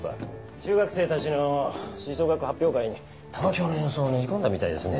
中学生たちの吹奏楽発表会に玉響の演奏をねじ込んだみたいですね。